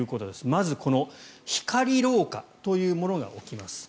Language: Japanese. まず、光老化というものが起きます。